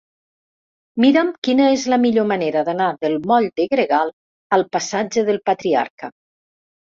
Mira'm quina és la millor manera d'anar del moll de Gregal al passatge del Patriarca.